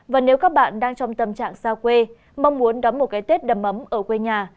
và nếu các bạn đang trong tâm trạng xa quê mong muốn đắm một cái tết đầm ấm ở quê nhà